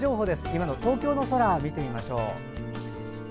今の東京の空、見てみましょう。